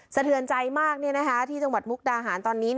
สะเทือนใจมากที่จังหวัดมุกดาหารตอนนี้